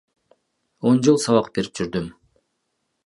Он жыл сабак берип жүрдүм.